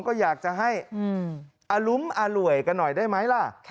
ก็อยากจะให้อรุ้มอร่วยกันหน่อยได้ไหมล่ะ